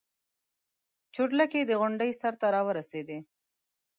چورلکې د غونډۍ سر ته راورسېدې.